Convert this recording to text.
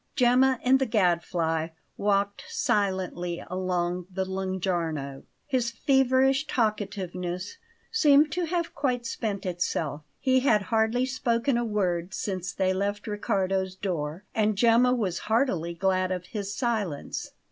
GEMMA and the Gadfly walked silently along the Lung'Arno. His feverish talkativeness seemed to have quite spent itself; he had hardly spoken a word since they left Riccardo's door, and Gemma was heartily glad of his silence.